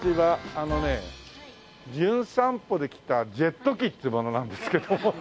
あのね『じゅん散歩』で来たジェット機っていう者なんですけど。